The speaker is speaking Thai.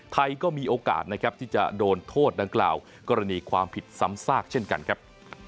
ไทยก็มีโอกาสนะครับที่จะโดนโทษดังกล่าวกรณีความผิดซ้ำซากเช่นกันครับ